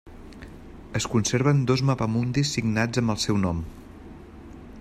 Es conserven dos mapamundis signats amb el seu nom.